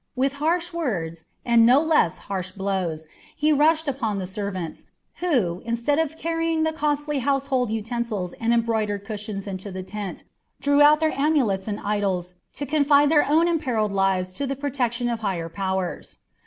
With harsh words, and no less harsh blows, he rushed upon the servants, who, instead of carrying the costly household utensils and embroidered cushions into the tent, drew out their amulets and idols to confide their own imperilled lives to the protection of higher powers.